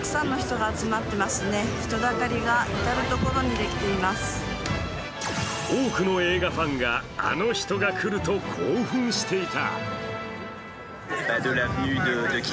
「Ｎキャス」が直撃すると多くの映画ファンがあの人が来ると興奮していた。